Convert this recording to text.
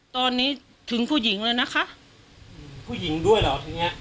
ตอนนี้ถึงผู้หญิงแล้วนะคะผู้หญิงด้วยเหรอทีเนี้ย